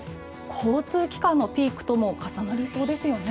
交通機関のピークとも重なりそうですよね。